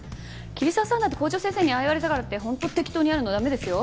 桐沢さんだって校長先生にああ言われたからって本当に適当にやるのは駄目ですよ。